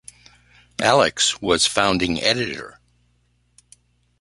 Alex was founding editor.